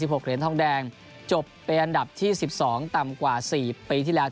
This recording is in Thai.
หกเหรียญทองแดงจบเป็นอันดับที่สิบสองต่ำกว่าสี่ปีที่แล้ว